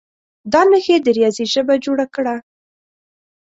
دا نښې د ریاضي ژبه جوړه کړه.